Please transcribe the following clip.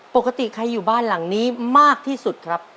ปกติใครอยู่บ้านหลังนี้มากที่สุดครับ